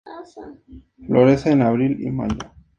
Florece en Abril y Mayo.